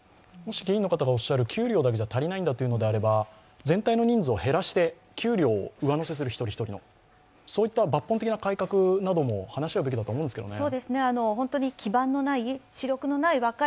議員の方がおっしゃる給料だけじゃ足りないんだということであれば全体の人数を減らして給料を増やすといったそういった抜本的な改革なども話し合うべきだと思うんですけれども。